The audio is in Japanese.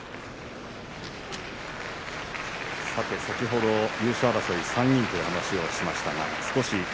先ほど優勝争いは３人という話をしました。